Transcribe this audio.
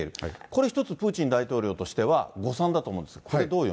これ一つ、プーチン大統領としては誤算だと思うんです。